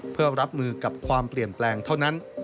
เพื่อรับมือกับความเปลี่ยนแปลงเท่านั้น